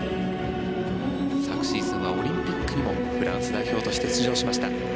昨シーズンはオリンピックにもフランス代表として出場しました。